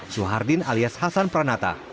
suhardin alias hasan pranata